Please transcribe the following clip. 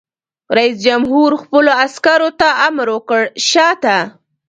رئیس جمهور خپلو عسکرو ته امر وکړ؛ شاته!